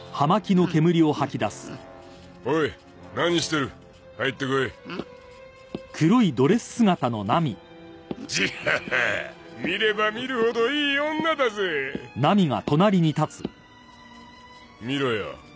おい何してる入ってこいジッハハ見れば見るほどいい女だぜ見ろよ